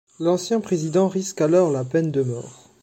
L'ancien président risque alors la peine de mort.